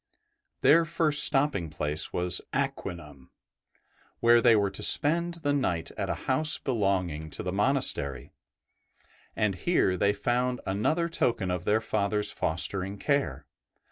Their first stopping place was Aquinum, where they were to spend the night at a house belonging to the monastery, and here they found another token of their Father's fostering care.